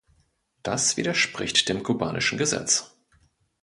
Das widerspricht dem kubanischen Gesetz.